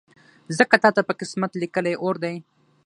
ځکه تاته په قسمت لیکلی اور دی